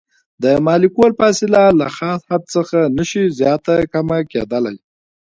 د مالیکول فاصله له خاص حد څخه نشي زیاته کمه کیدلی.